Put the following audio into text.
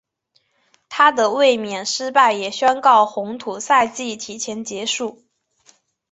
她的卫冕失败也宣告红土赛季提前结束。